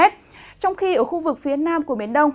trong khi ở khu vực phía nam của biển đông